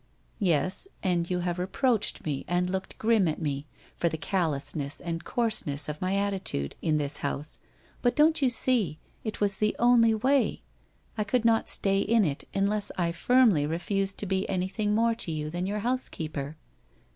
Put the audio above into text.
... Yes, and you have reproached me and looked grim at me, for the callousness, and coarseness of my attitude in this house, but don't you see, it was the only way? I could not stay in it unless I firmly refused to be anything more to you than your housekeeper.